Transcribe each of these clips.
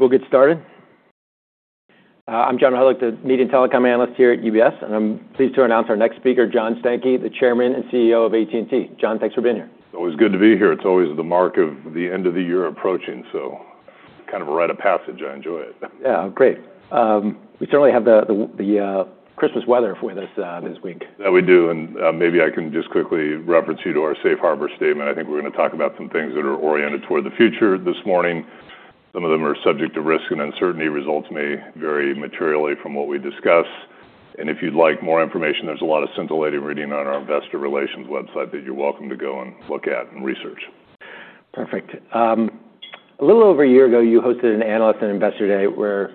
We'll get started. I'm John Hodulik, the Media and Telecom Analyst here at UBS, and I'm pleased to announce our next speaker, John Stankey, the Chairman and CEO of AT&T. John, thanks for being here. It's always good to be here. It's always the mark of the end of the year approaching, so it's kind of a rite of passage. I enjoy it. Yeah, great. We certainly have the Christmas weather with us this week. Yeah, we do. And, maybe I can just quickly reference you to our Safe Harbor statement. I think we're gonna talk about some things that are oriented toward the future this morning. Some of them are subject to risk and uncertainty. Results may vary materially from what we discuss. And if you'd like more information, there's a lot of scintillating reading on our Investor Relations website that you're welcome to go and look at and research. Perfect. A little over a year ago, you hosted an Analyst & Investor Day where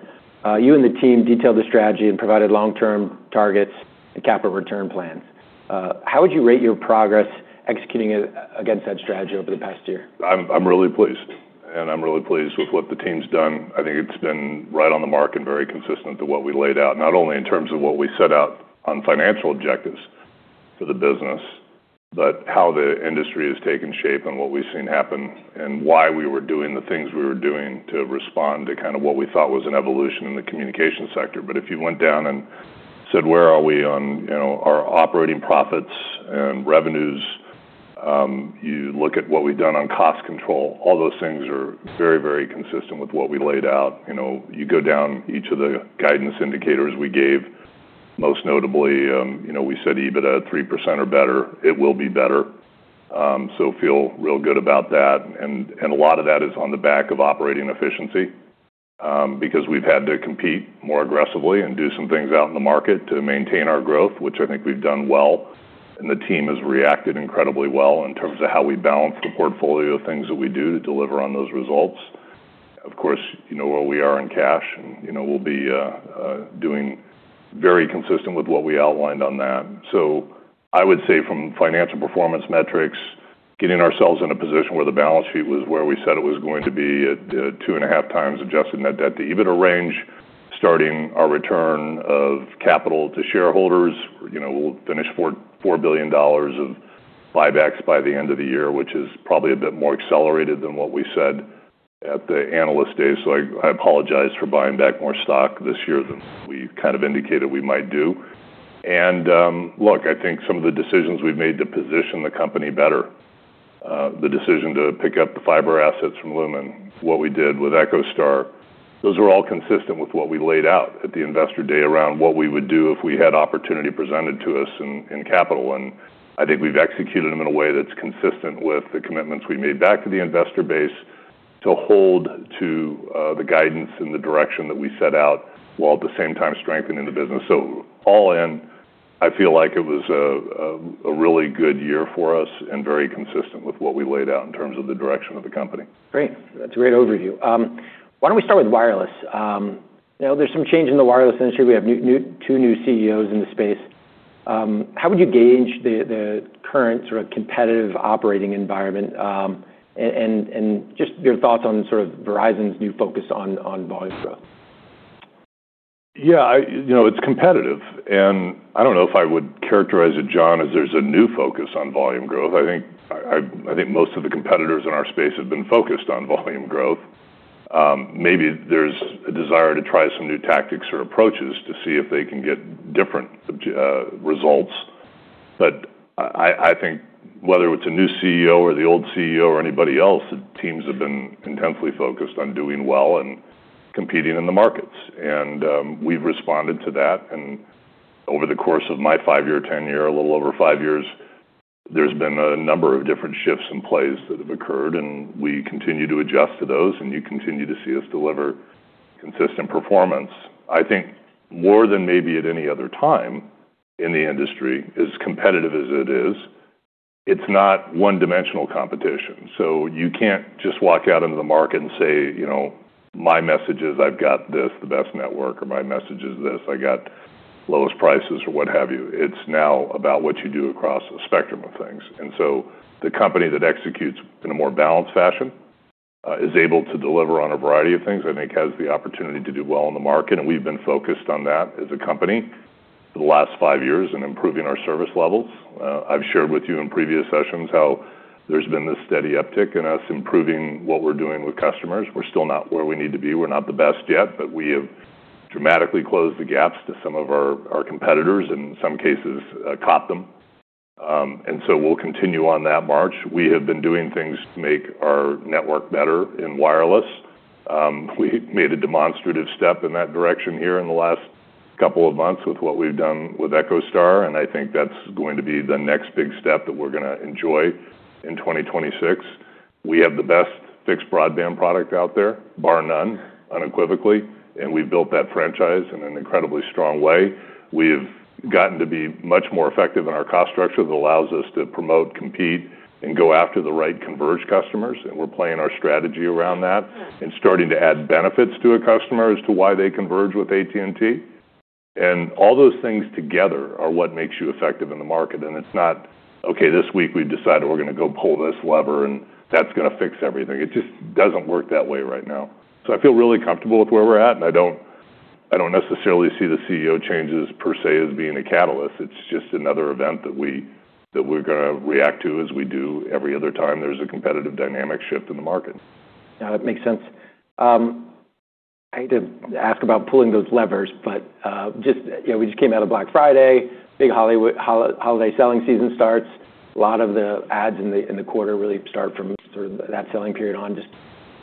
you and the team detailed the strategy and provided long-term targets and capital return plans. How would you rate your progress executing it against that strategy over the past year? I'm really pleased with what the team's done. I think it's been right on the mark and very consistent to what we laid out, not only in terms of what we set out on financial objectives for the business, but how the industry has taken shape and what we've seen happen and why we were doing the things we were doing to respond to kind of what we thought was an evolution in the communication sector. But if you went down and said, "Where are we on, you know, our operating profits and revenues?" you look at what we've done on cost control. All those things are very, very consistent with what we laid out. You know, you go down each of the guidance indicators we gave, most notably, you know, we said EBITDA at 3% or better. It will be better. I feel real good about that. And a lot of that is on the back of operating efficiency, because we've had to compete more aggressively and do some things out in the market to maintain our growth, which I think we've done well. And the team has reacted incredibly well in terms of how we balance the portfolio of things that we do to deliver on those results. Of course, you know where we are in cash, and, you know, we'll be doing very consistent with what we outlined on that. So, I would say from financial performance metrics, getting ourselves in a position where the balance sheet was where we said it was going to be at two and a half times adjusted net debt to EBITDA range, starting our return of capital to shareholders, you know, we'll finish $4 billion of buybacks by the end of the year, which is probably a bit more accelerated than what we said at the Analyst Day. So, I apologize for buying back more stock this year than we kind of indicated we might do. Look, I think some of the decisions we've made to position the company better, the decision to pick up the fiber assets from Lumen and what we did with EchoStar, those were all consistent with what we laid out at the Investor day around what we would do if we had opportunity presented to us in capital. I think we've executed them in a way that's consistent with the commitments we made back to the investor base to hold to, the guidance and the direction that we set out while at the same time strengthening the business. All in, I feel like it was a really good year for us and very consistent with what we laid out in terms of the direction of the company. Great. That's a great overview. Why don't we start with wireless? You know, there's some change in the wireless industry. We have two new CEOs in the space. How would you gauge the current sort of competitive operating environment, and just your thoughts on sort of Verizon's new focus on volume growth? Yeah, you know, it's competitive. I don't know if I would characterize it, John, as there's a new focus on volume growth. I think most of the competitors in our space have been focused on volume growth. Maybe there's a desire to try some new tactics or approaches to see if they can get different results, but I think whether it's a new CEO or the old CEO or anybody else, the teams have been intensely focused on doing well and competing in the markets, and we've responded to that. Over the course of my five-year, ten-year, a little over five years, there's been a number of different shifts in plays that have occurred, and we continue to adjust to those, and you continue to see us deliver consistent performance. I think more than maybe at any other time in the industry, as competitive as it is, it's not one-dimensional competition. So you can't just walk out into the market and say, you know, my message is I've got this, the best network, or my message is this, I got lowest prices or what have you. It's now about what you do across a spectrum of things. And so the company that executes in a more balanced fashion, is able to deliver on a variety of things. I think has the opportunity to do well in the market, and we've been focused on that as a company for the last five years in improving our service levels. I've shared with you in previous sessions how there's been this steady uptick in us improving what we're doing with customers. We're still not where we need to be. We're not the best yet, but we have dramatically closed the gaps to some of our, our competitors and in some cases, caught them, and so we'll continue on that march. We have been doing things to make our network better in wireless. We made a demonstrative step in that direction here in the last couple of months with what we've done with EchoStar, and I think that's going to be the next big step that we're gonna enjoy in 2026. We have the best fixed broadband product out there, bar none, unequivocally, and we've built that franchise in an incredibly strong way. We have gotten to be much more effective in our cost structure that allows us to promote, compete, and go after the right converged customers, and we're playing our strategy around that and starting to add benefits to a customer as to why they converge with AT&T. All those things together are what makes you effective in the market. It's not, okay, this week we've decided we're gonna go pull this lever and that's gonna fix everything. It just doesn't work that way right now. I feel really comfortable with where we're at, and I don't, I don't necessarily see the CEO changes per se as being a catalyst. It's just another event that we're gonna react to as we do every other time there's a competitive dynamic shift in the market. Yeah, that makes sense. I hate to ask about pulling those levers, but just, you know, we just came out of Black Friday. Big holiday selling season starts. A lot of the ads in the quarter really start from sort of that selling period on. Just,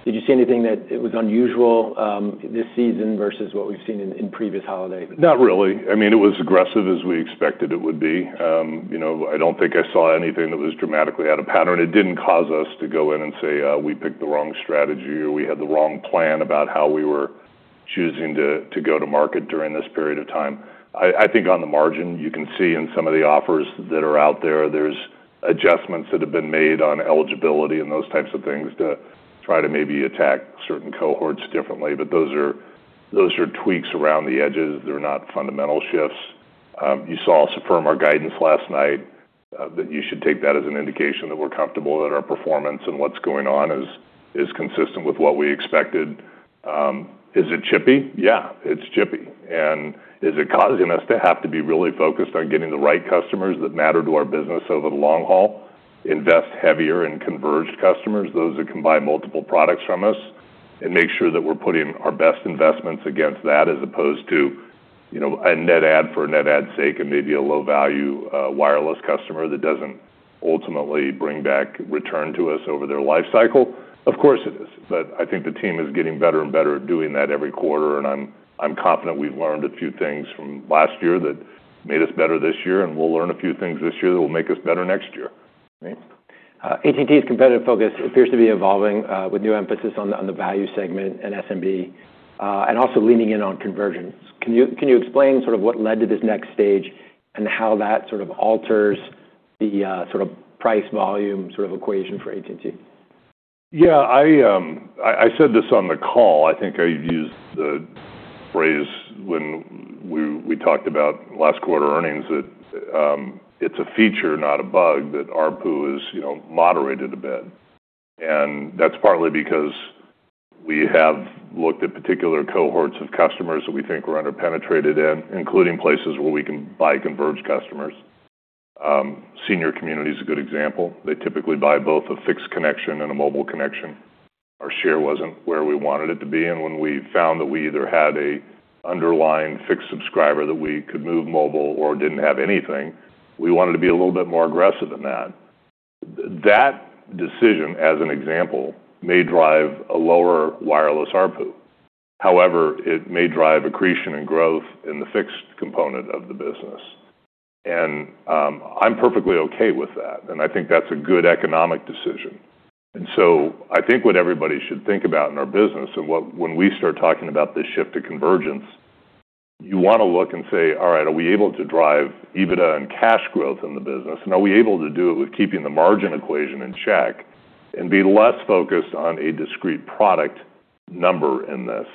did you see anything that was unusual this season versus what we've seen in previous holidays? Not really. I mean, it was aggressive as we expected it would be. You know, I don't think I saw anything that was dramatically out of pattern. It didn't cause us to go in and say, we picked the wrong strategy or we had the wrong plan about how we were choosing to go to market during this period of time. I think on the margin you can see in some of the offers that are out there, there's adjustments that have been made on eligibility and those types of things to try to maybe attack certain cohorts differently. But those are tweaks around the edges. They're not fundamental shifts. You saw us affirm our guidance last night, that you should take that as an indication that we're comfortable that our performance and what's going on is consistent with what we expected. Is it chippy? Yeah, it's chippy. And is it causing us to have to be really focused on getting the right customers that matter to our business over the long haul, invest heavier in converged customers, those that can buy multiple products from us, and make sure that we're putting our best investments against that as opposed to, you know, a net add for a net add's sake and maybe a low-value, wireless customer that doesn't ultimately bring back return to us over their lifecycle? Of course it is. But I think the team is getting better and better at doing that every quarter, and I'm confident we've learned a few things from last year that made us better this year, and we'll learn a few things this year that will make us better next year. Great. AT&T's competitive focus appears to be evolving, with new emphasis on the value segment and SMB, and also leaning in on convergence. Can you explain sort of what led to this next stage and how that sort of alters the sort of price-volume sort of equation for AT&T? Yeah, I said this on the call. I think I used the phrase when we talked about last quarter earnings that it's a feature, not a bug, that our pool is, you know, moderated a bit. And that's partly because we have looked at particular cohorts of customers that we think we're under-penetrated in, including places where we can buy converged customers. Senior community is a good example. They typically buy both a fixed connection and a mobile connection. Our share wasn't where we wanted it to be. And when we found that we either had an underlying fixed subscriber that we could move mobile or didn't have anything, we wanted to be a little bit more aggressive in that. That decision, as an example, may drive a lower wireless ARPU. However, it may drive accretion and growth in the fixed component of the business. I'm perfectly okay with that, and I think that's a good economic decision, so I think what everybody should think about in our business and what, when we start talking about this shift to convergence, you wanna look and say, "All right, are we able to drive EBITDA and cash growth in the business? And are we able to do it with keeping the margin equation in check and be less focused on a discrete product number in this?"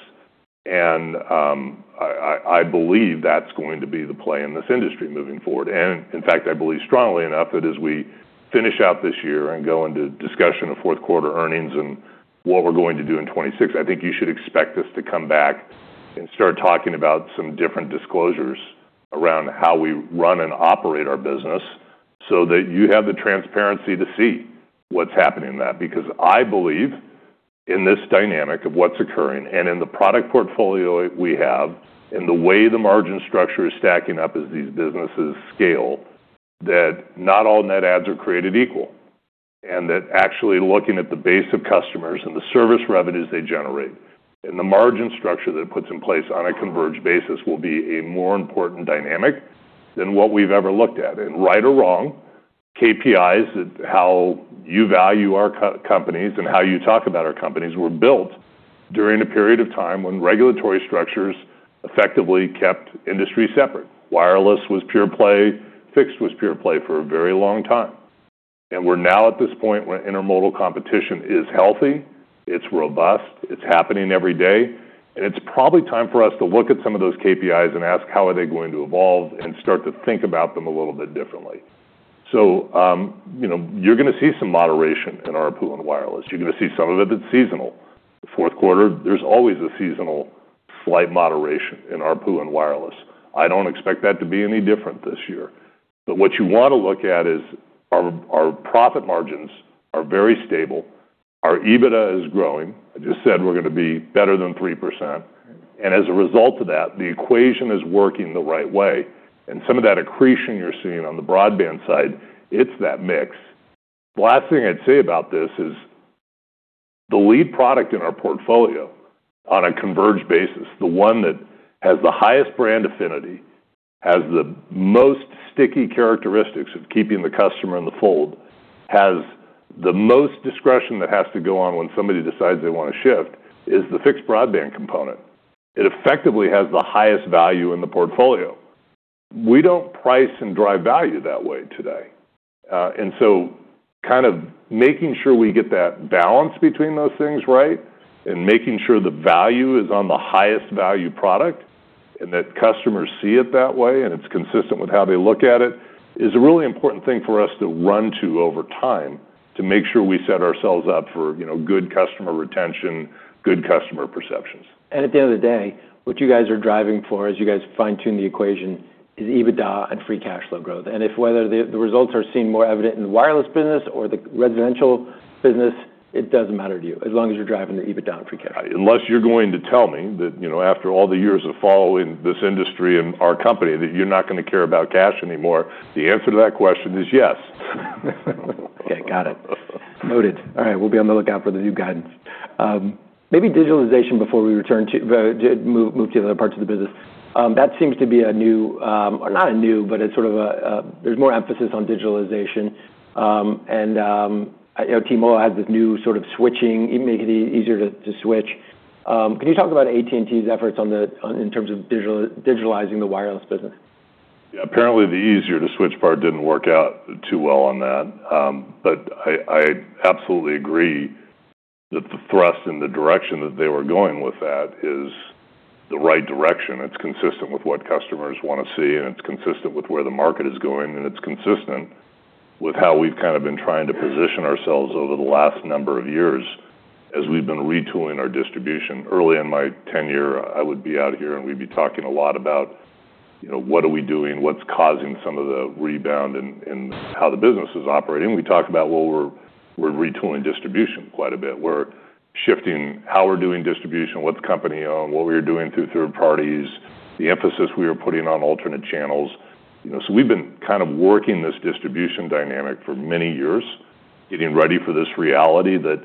I believe that's going to be the play in this industry moving forward. In fact, I believe strongly enough that as we finish out this year and go into discussion of fourth quarter earnings and what we're going to do in 2026, I think you should expect us to come back and start talking about some different disclosures around how we run and operate our business so that you have the transparency to see what's happening in that. Because I believe in this dynamic of what's occurring and in the product portfolio we have and the way the margin structure is stacking up as these businesses scale, that not all net adds are created equal. And that actually looking at the base of customers and the service revenues they generate and the margin structure that it puts in place on a converged basis will be a more important dynamic than what we've ever looked at. And right or wrong, KPIs that show how you value our companies and how you talk about our companies were built during a period of time when regulatory structures effectively kept industry separate. Wireless was pure play. Fixed was pure play for a very long time. And we're now at this point where intermodal competition is healthy. It's robust. It's happening every day. And it's probably time for us to look at some of those KPIs and ask, "How are they going to evolve?" and start to think about them a little bit differently. So, you know, you're gonna see some moderation in our postpaid in wireless. You're gonna see some of it that's seasonal. Fourth quarter, there's always a seasonal slight moderation in our postpaid in wireless. I don't expect that to be any different this year. But what you wanna look at is our profit margins are very stable. Our EBITDA is growing. I just said we're gonna be better than 3%. And as a result of that, the equation is working the right way. And some of that accretion you're seeing on the broadband side, it's that mix. The last thing I'd say about this is the lead product in our portfolio on a converged basis, the one that has the highest brand affinity, has the most sticky characteristics of keeping the customer in the fold, has the most discretion that has to go on when somebody decides they wanna shift, is the fixed broadband component. It effectively has the highest value in the portfolio. We don't price and drive value that way today. And so, kind of making sure we get that balance between those things right and making sure the value is on the highest value product and that customers see it that way and it's consistent with how they look at it is a really important thing for us to run to over time to make sure we set ourselves up for, you know, good customer retention, good customer perceptions. And at the end of the day, what you guys are driving for as you guys fine-tune the equation is EBITDA and free cash flow growth. And whether the results are seen more evident in the wireless business or the residential business, it doesn't matter to you as long as you're driving the EBITDA and free cash. Unless you're going to tell me that, you know, after all the years of following this industry and our company that you're not gonna care about cash anymore, the answer to that question is yes. Okay, got it. Noted. All right, we'll be on the lookout for the new guidance. Maybe digitalization before we return to move to the other parts of the business. That seems to be a new, or not a new, but it's sort of a, there's more emphasis on digitalization, and you know, T-Mobile has this new sort of switching, making it easier to switch. Can you talk about AT&T's efforts in terms of digitalizing the wireless business? Yeah, apparently the easier to switch part didn't work out too well on that. But I, I absolutely agree that the thrust and the direction that they were going with that is the right direction. It's consistent with what customers wanna see, and it's consistent with where the market is going, and it's consistent with how we've kind of been trying to position ourselves over the last number of years as we've been retooling our distribution. Early in my tenure, I would be out here and we'd be talking a lot about, you know, what are we doing, what's causing some of the rebound and, and how the business is operating. We talk about, well, we're, we're retooling distribution quite a bit. We're shifting how we're doing distribution, what's company-owned, what we're doing through third parties, the emphasis we are putting on alternate channels. You know, so we've been kind of working this distribution dynamic for many years, getting ready for this reality that,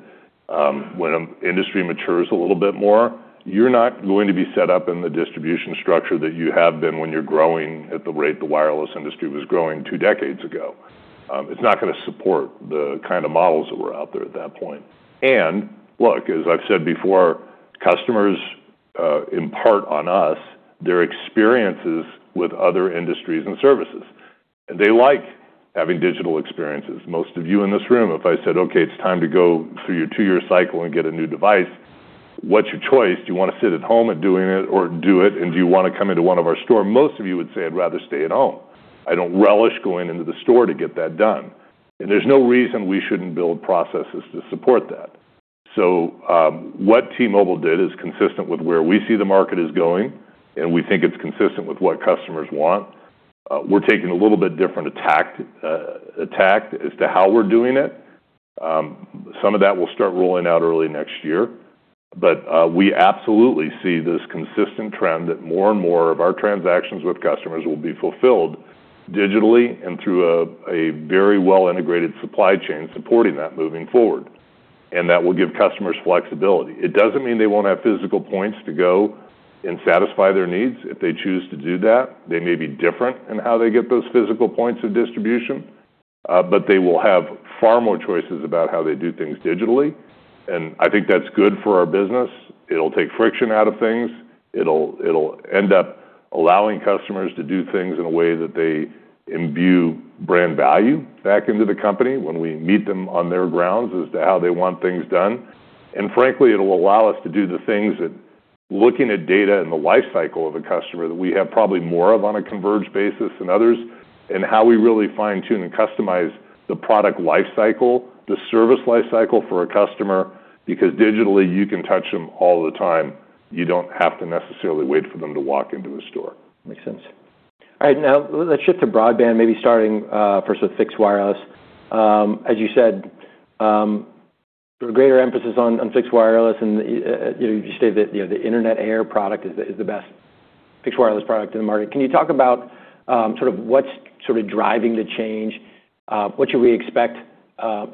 when industry matures a little bit more, you're not going to be set up in the distribution structure that you have been when you're growing at the rate the wireless industry was growing two decades ago. It's not gonna support the kind of models that were out there at that point. And look, as I've said before, customers impart on us their experiences with other industries and services. And they like having digital experiences. Most of you in this room, if I said, "Okay, it's time to go through your two-year cycle and get a new device," what's your choice? Do you wanna sit at home and do it or do it? And do you wanna come into one of our stores? Most of you would say, "I'd rather stay at home." I don't relish going into the store to get that done, and there's no reason we shouldn't build processes to support that, so what T-Mobile did is consistent with where we see the market is going, and we think it's consistent with what customers want. We're taking a little bit different attack as to how we're doing it. Some of that will start rolling out early next year, but we absolutely see this consistent trend that more and more of our transactions with customers will be fulfilled digitally and through a very well-integrated supply chain supporting that moving forward, and that will give customers flexibility. It doesn't mean they won't have physical points to go and satisfy their needs. If they choose to do that, they may be different in how they get those physical points of distribution. But they will have far more choices about how they do things digitally. And I think that's good for our business. It'll take friction out of things. It'll end up allowing customers to do things in a way that they imbue brand value back into the company when we meet them on their terms as to how they want things done. And frankly, it'll allow us to do the things that looking at data and the lifecycle of a customer that we have probably more of on a converged basis than others and how we really fine-tune and customize the product lifecycle, the service lifecycle for a customer, because digitally you can touch them all the time. You don't have to necessarily wait for them to walk into a store. Makes sense. All right, now let's shift to broadband, maybe starting, first with fixed wireless. As you said, greater emphasis on, on fixed wireless and, you know, you stated that, you know, the Internet Air product is the, is the best fixed wireless product in the market. Can you talk about, sort of what's sort of driving the change? What should we expect,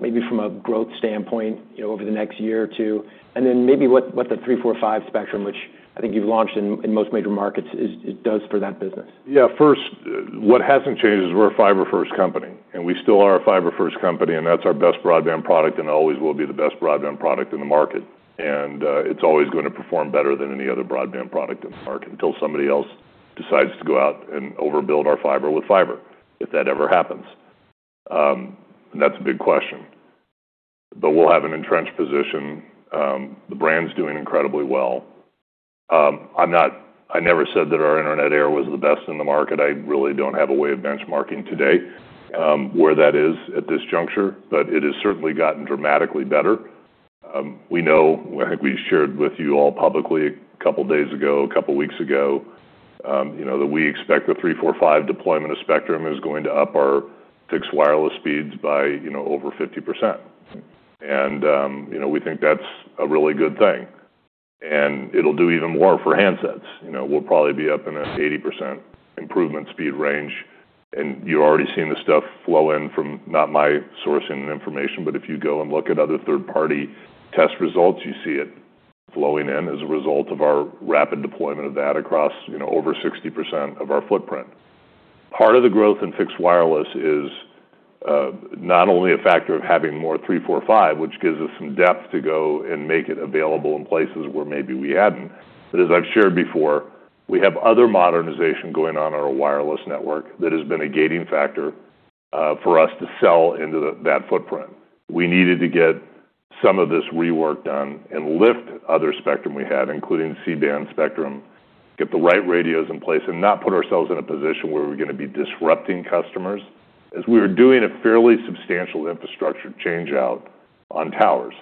maybe from a growth standpoint, you know, over the next year or two? And then maybe what, what the 3.45 GHz spectrum, which I think you've launched in, in most major markets is, is does for that business? Yeah, first, what hasn't changed is we're a fiber-first company. And we still are a fiber-first company, and that's our best broadband product and always will be the best broadband product in the market. And, it's always gonna perform better than any other broadband product in the market until somebody else decides to go out and overbuild our fiber with fiber, if that ever happens, and that's a big question. But we'll have an entrenched position. The brand's doing incredibly well. I'm not, I never said that our Internet Air was the best in the market. I really don't have a way of benchmarking today, where that is at this juncture, but it has certainly gotten dramatically better. We know, I think we shared with you all publicly a couple days ago, a couple weeks ago, you know, that we expect the 3.45 GHz deployment of spectrum is going to up our fixed wireless speeds by, you know, over 50%. And, you know, we think that's a really good thing. And it'll do even more for handsets. You know, we'll probably be up in an 80% improvement speed range. And you're already seeing the stuff flow in from not my sourcing and information, but if you go and look at other third-party test results, you see it flowing in as a result of our rapid deployment of that across, you know, over 60% of our footprint. Part of the growth in fixed wireless is not only a factor of having more 3.45 GHz, which gives us some depth to go and make it available in places where maybe we hadn't. But as I've shared before, we have other modernization going on our wireless network that has been a gating factor for us to sell into that footprint. We needed to get some of this rework done and lift other spectrum we had, including C-band spectrum, get the right radios in place and not put ourselves in a position where we're gonna be disrupting customers as we were doing a fairly substantial infrastructure change out on towers.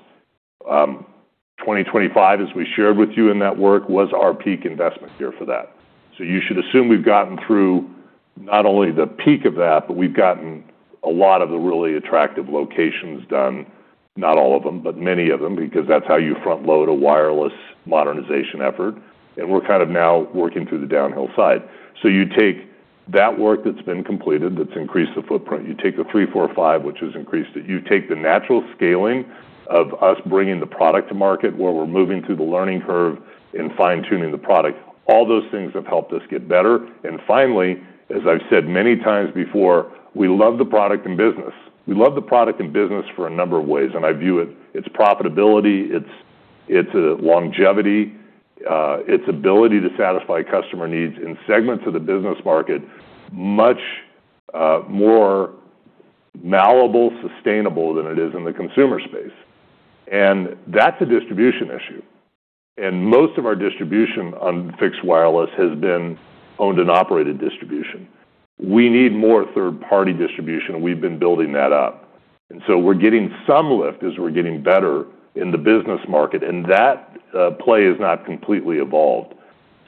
2025, as we shared with you in that work, was our peak investment year for that. You should assume we've gotten through not only the peak of that, but we've gotten a lot of the really attractive locations done, not all of them, but many of them, because that's how you front-load a wireless modernization effort. We're kind of now working through the downhill side. You take that work that's been completed that's increased the footprint. You take the 3.45 GHz, which has increased it. You take the natural scaling of us bringing the product to market where we're moving through the learning curve and fine-tuning the product. All those things have helped us get better. Finally, as I've said many times before, we love the product and business. We love the product and business for a number of ways. And I view it. It's profitability, it's longevity, its ability to satisfy customer needs in segments of the business market, much more malleable, sustainable than it is in the consumer space. And that's a distribution issue. And most of our distribution on fixed wireless has been owned and operated distribution. We need more third-party distribution. We've been building that up. And so we're getting some lift as we're getting better in the business market. And that play is not completely evolved.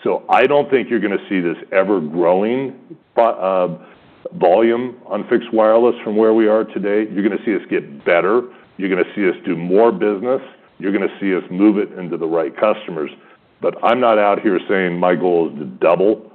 So I don't think you're gonna see this ever-growing volume on fixed wireless from where we are today. You're gonna see us get better. You're gonna see us do more business. You're gonna see us move it into the right customers. But I'm not out here saying my goal is to double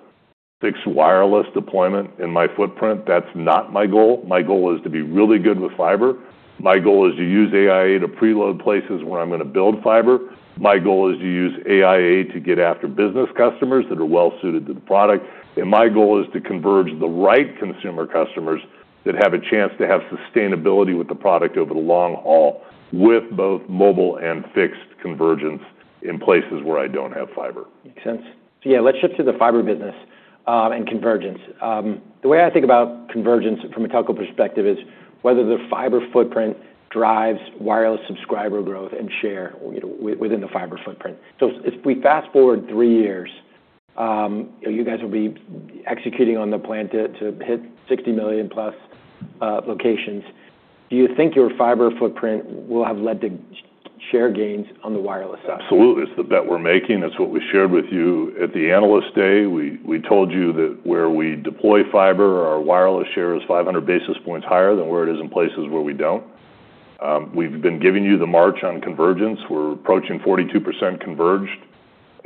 fixed wireless deployment in my footprint. That's not my goal. My goal is to be really good with fiber. My goal is to use AIA to preload places where I'm gonna build fiber. My goal is to use AIA to get after business customers that are well-suited to the product. And my goal is to converge the right consumer customers that have a chance to have sustainability with the product over the long haul with both mobile and fixed convergence in places where I don't have fiber. Makes sense. So yeah, let's shift to the fiber business, and convergence. The way I think about convergence from a telco perspective is whether the fiber footprint drives wireless subscriber growth and share, you know, within the fiber footprint. So if we fast-forward three years, you know, you guys will be executing on the plan to hit 60 million+ locations. Do you think your fiber footprint will have led to share gains on the wireless side? Absolutely. It's the bet we're making. That's what we shared with you at the analyst day. We told you that where we deploy fiber, our wireless share is 500 basis points higher than where it is in places where we don't. We've been giving you the math on convergence. We're approaching 42% converged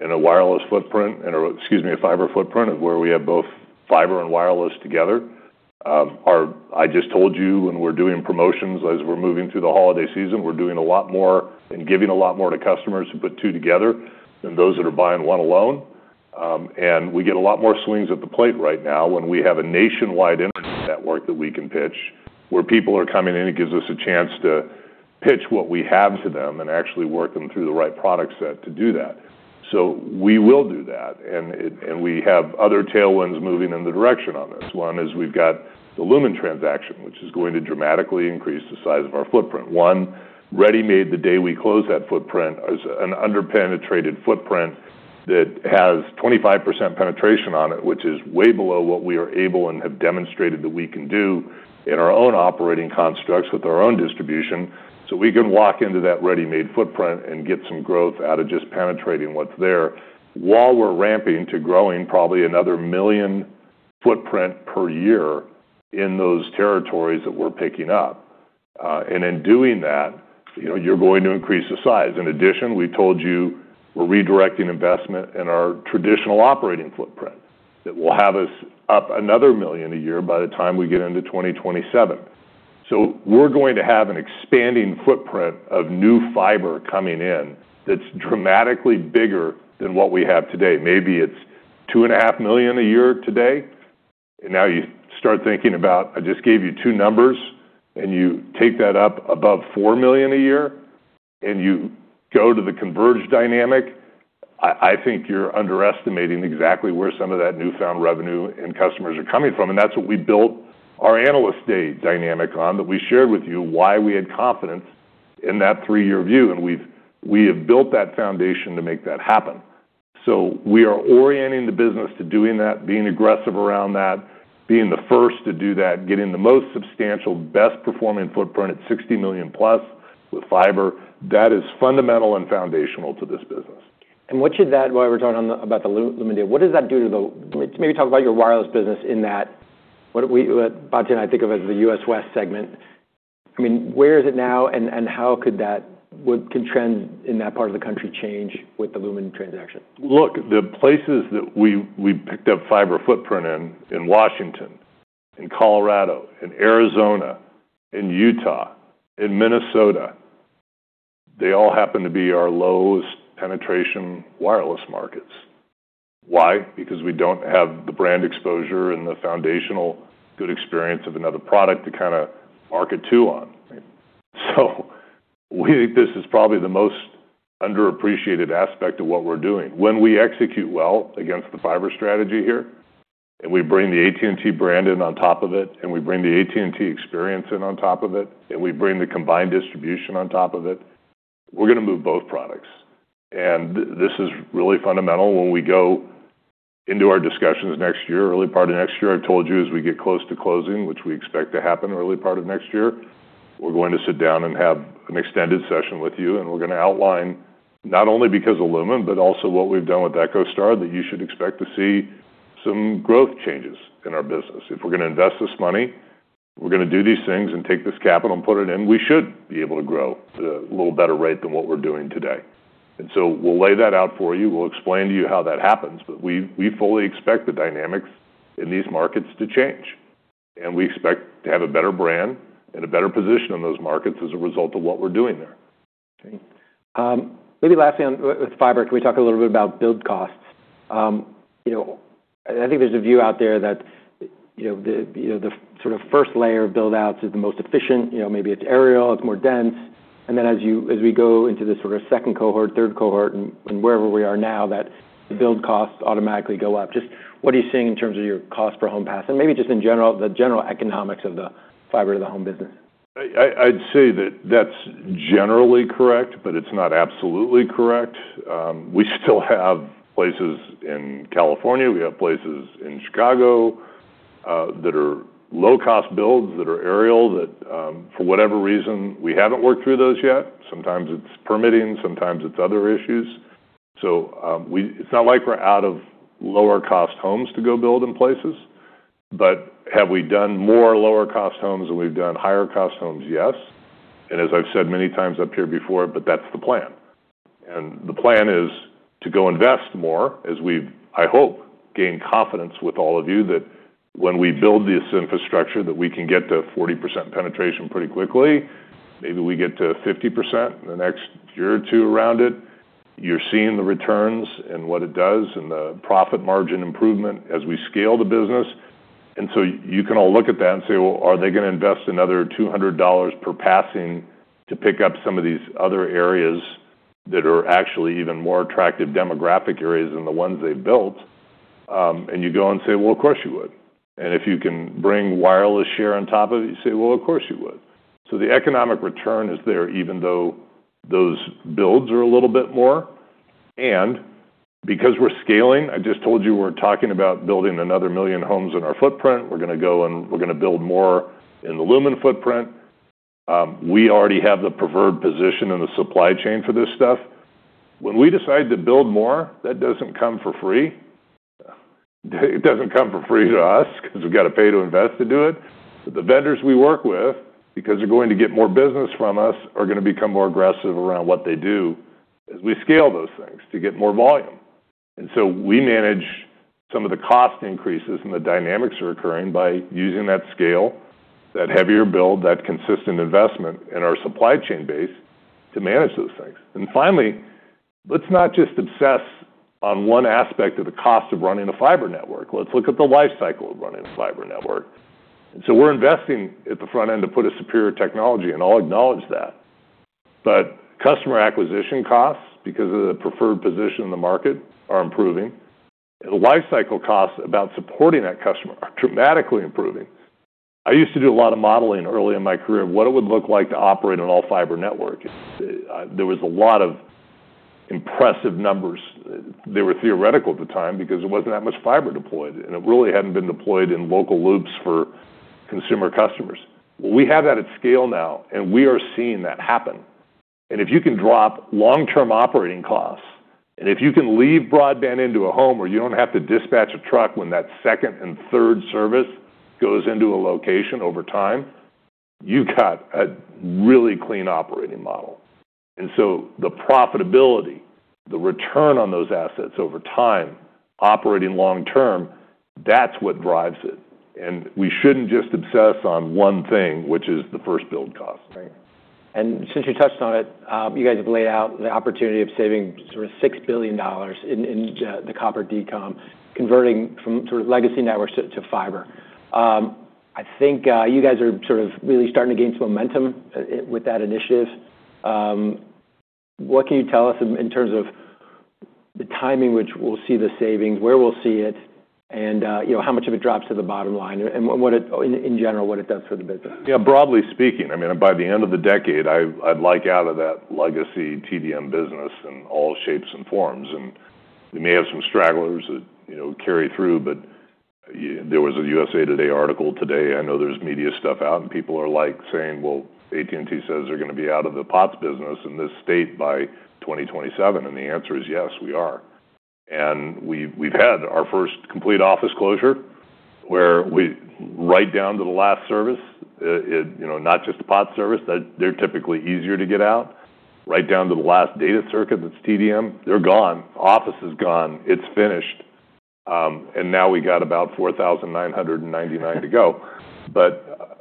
in a wireless footprint and, or excuse me, a fiber footprint of where we have both fiber and wireless together. Our, I just told you when we're doing promotions as we're moving through the holiday season, we're doing a lot more and giving a lot more to customers to put two together than those that are buying one alone. We get a lot more swings at the plate right now when we have a nationwide internet network that we can pitch where people are coming in. It gives us a chance to pitch what we have to them and actually work them through the right product set to do that. So we will do that. And we have other tailwinds moving in the direction on this. One is we've got the Lumen transaction, which is going to dramatically increase the size of our footprint. One ready-made the day we close, that footprint is an under-penetrated footprint that has 25% penetration on it, which is way below what we are able and have demonstrated that we can do in our own operating constructs with our own distribution. So we can walk into that ready-made footprint and get some growth out of just penetrating what's there while we're ramping to growing probably another million footprint per year in those territories that we're picking up, and in doing that, you know, you're going to increase the size. In addition, we told you we're redirecting investment in our traditional operating footprint that will have us up another million a year by the time we get into 2027, so we're going to have an expanding footprint of new fiber coming in that's dramatically bigger than what we have today. Maybe it's two and a half million a year today, and now you start thinking about, I just gave you two numbers, and you take that up above four million a year and you go to the converged dynamic, I, I think you're underestimating exactly where some of that newfound revenue and customers are coming from, and that's what we built our analyst day dynamic on that we shared with you why we had confidence in that three-year view, and we've, we have built that foundation to make that happen. We are orienting the business to doing that, being aggressive around that, being the first to do that, getting the most substantial, best-performing footprint at 60 million plus with fiber. That is fundamental and foundational to this business. What we're talking about the Lumen, what does that do to the, maybe talk about your wireless business in that, what we think of as the US West segment. I mean, where is it now and how could that, what can trends in that part of the country change with the Lumen transaction? Look, the places that we picked up fiber footprint in Washington, in Colorado, in Arizona, in Utah, in Minnesota, they all happen to be our lowest penetration wireless markets. Why? Because we don't have the brand exposure and the foundational good experience of another product to kind of market to on. So we think this is probably the most underappreciated aspect of what we're doing. When we execute well against the fiber strategy here and we bring the AT&T brand in on top of it and we bring the AT&T experience in on top of it and we bring the combined distribution on top of it, we're gonna move both products. And this is really fundamental when we go into our discussions next year, early part of next year. I've told you as we get close to closing, which we expect to happen early part of next year, we're going to sit down and have an extended session with you. And we're gonna outline not only because of Lumen, but also what we've done with EchoStar that you should expect to see some growth changes in our business. If we're gonna invest this money, we're gonna do these things and take this capital and put it in, we should be able to grow at a little better rate than what we're doing today. And so we'll lay that out for you. We'll explain to you how that happens. But we fully expect the dynamics in these markets to change. And we expect to have a better brand and a better position in those markets as a result of what we're doing there. Okay. Maybe lastly on with fiber, can we talk a little bit about build costs? You know, I think there's a view out there that, you know, the, you know, the sort of first layer of buildouts is the most efficient. You know, maybe it's aerial, it's more dense. And then as you, as we go into this sort of second cohort, third cohort, and, and wherever we are now, that the build costs automatically go up. Just what are you seeing in terms of your cost for home pass and maybe just in general, the general economics of the fiber to the home business? I'd say that that's generally correct, but it's not absolutely correct. We still have places in California. We have places in Chicago that are low-cost builds that are aerial that, for whatever reason, we haven't worked through those yet. Sometimes it's permitting, sometimes it's other issues. So, it's not like we're out of lower-cost homes to go build in places, but have we done more lower-cost homes than we've done higher-cost homes? Yes. And as I've said many times up here before, but that's the plan. And the plan is to go invest more as we've, I hope, gained confidence with all of you that when we build this infrastructure, that we can get to 40% penetration pretty quickly. Maybe we get to 50% in the next year or two around it. You're seeing the returns and what it does and the profit margin improvement as we scale the business. And so you can all look at that and say, well, are they gonna invest another $200 per passing to pick up some of these other areas that are actually even more attractive demographic areas than the ones they've built? And you go and say, well, of course you would. And if you can bring wireless share on top of it, you say, well, of course you would. So the economic return is there even though those builds are a little bit more. And because we're scaling, I just told you we're talking about building another million homes in our footprint. We're gonna go and we're gonna build more in the Lumen footprint. We already have the preferred position in the supply chain for this stuff. When we decide to build more, that doesn't come for free. It doesn't come for free to us because we've got to pay to invest to do it. But the vendors we work with, because they're going to get more business from us, are gonna become more aggressive around what they do as we scale those things to get more volume. And so we manage some of the cost increases and the dynamics that are occurring by using that scale, that heavier build, that consistent investment in our supply chain base to manage those things. And finally, let's not just obsess on one aspect of the cost of running a fiber network. Let's look at the lifecycle of running a fiber network. And so we're investing at the front end to put a superior technology, and I'll acknowledge that. But customer acquisition costs, because of the preferred position in the market, are improving. And the lifecycle costs about supporting that customer are dramatically improving. I used to do a lot of modeling early in my career of what it would look like to operate an all-fiber network. There was a lot of impressive numbers. They were theoretical at the time because there wasn't that much fiber deployed, and it really hadn't been deployed in local loops for consumer customers. Well, we have that at scale now, and we are seeing that happen. And if you can drop long-term operating costs and if you can leave broadband into a home where you don't have to dispatch a truck when that second and third service goes into a location over time, you've got a really clean operating model. And so the profitability, the return on those assets over time operating long-term, that's what drives it. And we shouldn't just obsess on one thing, which is the first build cost. Right. And since you touched on it, you guys have laid out the opportunity of saving sort of $6 billion in the copper decom converting from sort of legacy networks to fiber. I think you guys are sort of really starting to gain some momentum with that initiative. What can you tell us in terms of the timing which we'll see the savings, where we'll see it, and you know, how much of it drops to the bottom line and what it, in general, what it does for the business? Yeah, broadly speaking, I mean, by the end of the decade, I'd like out of that legacy TDM business in all shapes and forms. We may have some stragglers that, you know, carry through, but there was a USA Today article today. I know there's media stuff out and people are like saying, well, AT&T says they're gonna be out of the POTS business in this state by 2027. The answer is yes, we are. We've had our first complete office closure where we right down to the last service, you know, not just the POTS service, that they're typically easier to get out. Right down to the last data circuit that's TDM, they're gone. The office is gone. It's finished. Now we got about 4,999 to go. But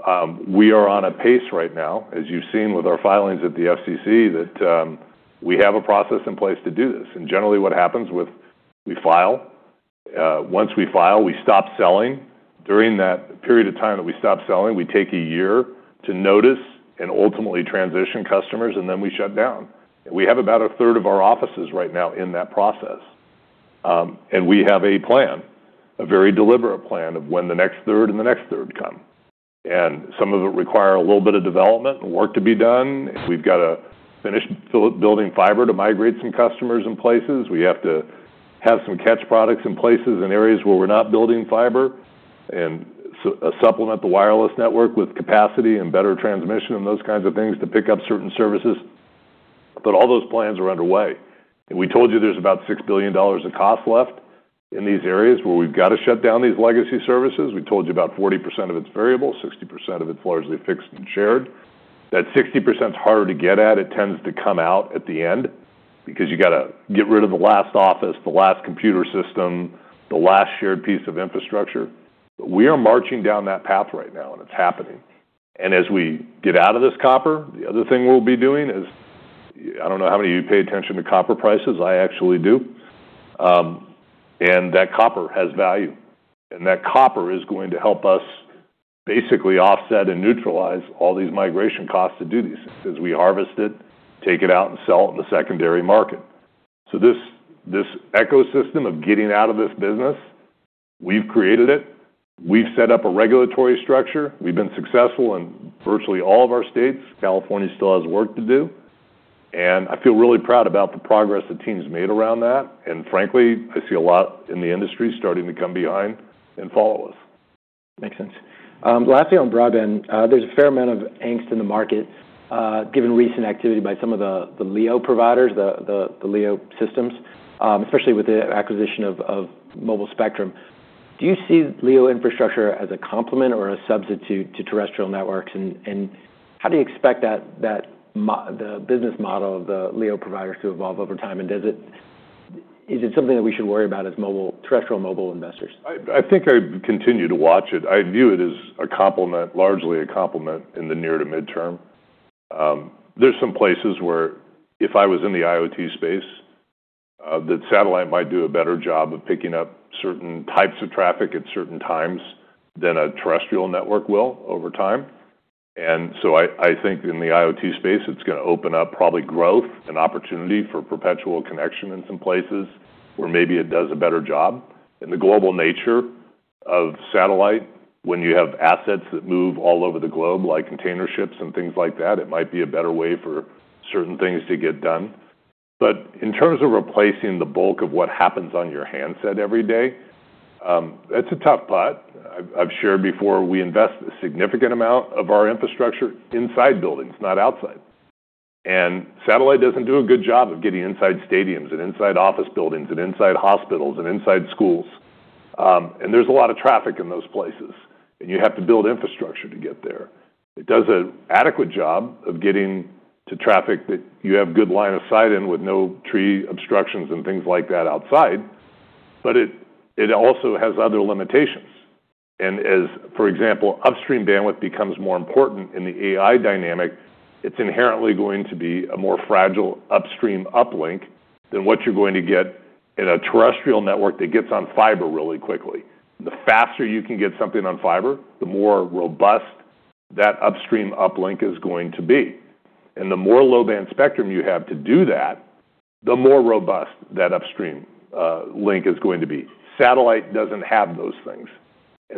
we are on a pace right now, as you've seen with our filings at the FCC, that we have a process in place to do this. And generally what happens when we file, once we file, we stop selling. During that period of time that we stop selling, we take a year to notice and ultimately transition customers, and then we shut down. And we have about a third of our offices right now in that process. And we have a plan, a very deliberate plan of when the next third and the next third come. And some of it require a little bit of development and work to be done. We've got to finish building fiber to migrate some customers in places. We have to have some catch products in places and areas where we're not building fiber and supplement the wireless network with capacity and better transmission and those kinds of things to pick up certain services, but all those plans are underway, and we told you there's about $6 billion in cost left in these areas where we've got to shut down these legacy services. We told you about 40% of it's variable, 60% of it's largely fixed and shared. That 60%'s harder to get at. It tends to come out at the end because you got to get rid of the last office, the last computer system, the last shared piece of infrastructure, but we are marching down that path right now, and it's happening. And as we get out of this copper, the other thing we'll be doing is, I don't know how many of you pay attention to copper prices. I actually do. And that copper has value. And that copper is going to help us basically offset and neutralize all these migration costs to do these things as we harvest it, take it out, and sell it in the secondary market. So this, this ecosystem of getting out of this business, we've created it. We've set up a regulatory structure. We've been successful in virtually all of our states. California still has work to do. And I feel really proud about the progress that team's made around that. And frankly, I see a lot in the industry starting to come behind and follow us. Makes sense. The last thing on broadband, there's a fair amount of angst in the market, given recent activity by some of the LEO providers, the LEO systems, especially with the acquisition of mobile spectrum. Do you see LEO infrastructure as a complement or a substitute to terrestrial networks? And how do you expect that the business model of the LEO providers to evolve over time? And is it something that we should worry about as mobile terrestrial mobile investors? I think I continue to watch it. I view it as a complement, largely a complement in the near to midterm. There's some places where if I was in the IoT space, that satellite might do a better job of picking up certain types of traffic at certain times than a terrestrial network will over time. And so I think in the IoT space, it's gonna open up probably growth and opportunity for perpetual connection in some places where maybe it does a better job. And the global nature of satellite, when you have assets that move all over the globe, like container ships and things like that, it might be a better way for certain things to get done. But in terms of replacing the bulk of what happens on your handset every day, that's a tough putt. I've shared before we invest a significant amount of our infrastructure inside buildings, not outside. Satellite doesn't do a good job of getting inside stadiums and inside office buildings and inside hospitals and inside schools. There's a lot of traffic in those places, and you have to build infrastructure to get there. It does an adequate job of getting to traffic that you have good line of sight in with no tree obstructions and things like that outside, but it also has other limitations. As, for example, upstream bandwidth becomes more important in the AI dynamic, it's inherently going to be a more fragile upstream uplink than what you're going to get in a terrestrial network that gets on fiber really quickly. The faster you can get something on fiber, the more robust that upstream uplink is going to be. The more low-band spectrum you have to do that, the more robust that uplink is going to be. Satellite doesn't have those things.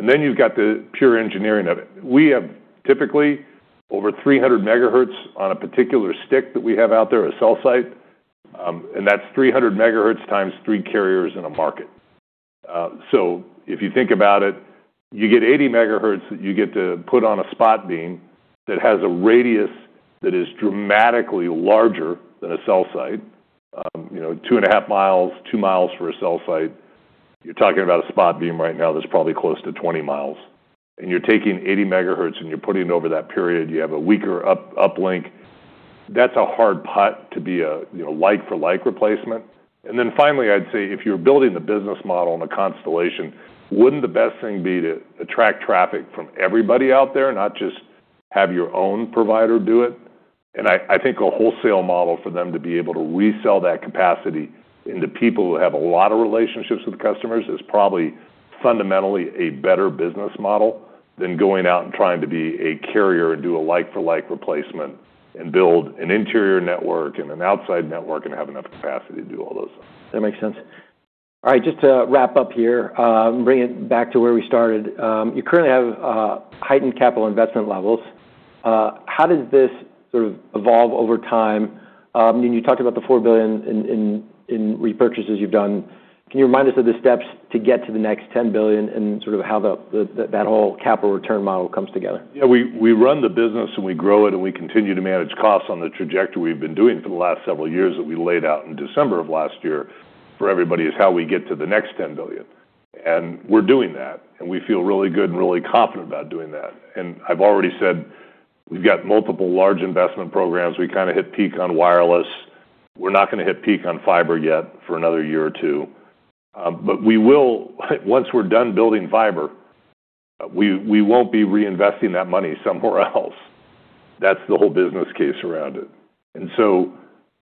You've got the pure engineering of it. We have typically over 300 MHz on a particular stick that we have out there, a cell site. That's 300 MHz times three carriers in a market. If you think about it, you get 80 MHz that you get to put on a spot beam that has a radius that is dramatically larger than a cell site. You know, 2.5 mi, 2 mi for a cell site. You're talking about a spot beam right now that's probably close to 20 mi. You're taking 80 MHz and you're putting it over that period. You have a weaker uplink. That's a hard put to be a, you know, like-for-like replacement. And then finally, I'd say if you're building the business model in a constellation, wouldn't the best thing be to attract traffic from everybody out there, not just have your own provider do it? And I think a wholesale model for them to be able to resell that capacity into people who have a lot of relationships with customers is probably fundamentally a better business model than going out and trying to be a carrier and do a like-for-like replacement and build an interior network and an outside network and have enough capacity to do all those things. That makes sense. All right. Just to wrap up here, bring it back to where we started. You currently have heightened capital investment levels. How does this sort of evolve over time? And you talked about the $4 billion in repurchases you've done. Can you remind us of the steps to get to the next $10 billion and sort of how that whole capital return model comes together? Yeah, we run the business and we grow it and we continue to manage costs on the trajectory we've been doing for the last several years that we laid out in December of last year for everybody. That is how we get to the next $10 billion. We're doing that, and we feel really good and really confident about doing that. I've already said we've got multiple large investment programs. We kind of hit peak on wireless. We're not gonna hit peak on fiber yet for another year or two, but we will. Once we're done building fiber, we won't be reinvesting that money somewhere else. That's the whole business case around it.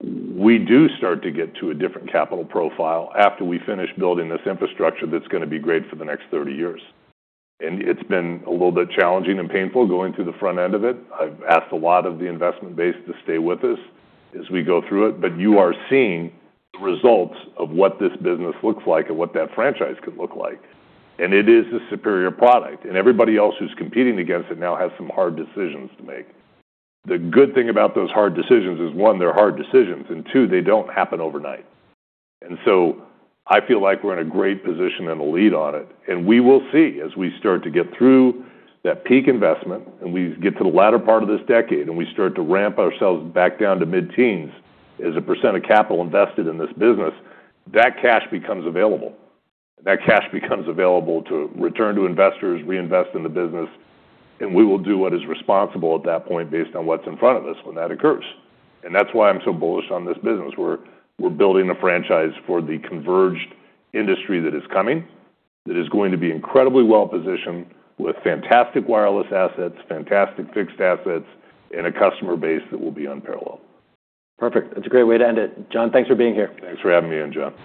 We do start to get to a different capital profile after we finish building this infrastructure that's gonna be great for the next 30 years. And it's been a little bit challenging and painful going through the front end of it. I've asked a lot of the investment base to stay with us as we go through it, but you are seeing the results of what this business looks like and what that franchise could look like. And it is a superior product. And everybody else who's competing against it now has some hard decisions to make. The good thing about those hard decisions is, one, they're hard decisions. And two, they don't happen overnight. And so I feel like we're in a great position and a lead on it. We will see as we start to get through that peak investment and we get to the latter part of this decade and we start to ramp ourselves back down to mid-teens as a % of capital invested in this business, that cash becomes available. That cash becomes available to return to investors, reinvest in the business, and we will do what is responsible at that point based on what's in front of us when that occurs. And that's why I'm so bullish on this business. We're building a franchise for the converged industry that is coming, that is going to be incredibly well-positioned with fantastic wireless assets, fantastic fixed assets, and a customer base that will be unparalleled. Perfect. That's a great way to end it. John, thanks for being here. Thanks for having me, John.